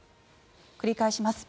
繰り返します。